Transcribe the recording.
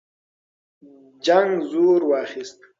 جنګ زور واخیست.